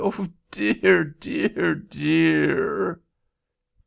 Oh, dear, dear, dear!"